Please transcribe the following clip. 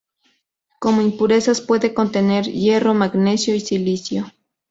Como impurezas puede contener hierro, magnesio y silicio.